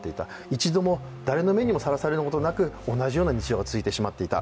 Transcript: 一度も誰の目にもさらされることなく同じような日常が続いていた。